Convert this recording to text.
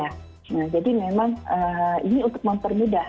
nah jadi memang ini untuk mempermudah